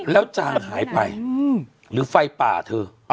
แล้วจางหายไปหรือไฟป่าเธอ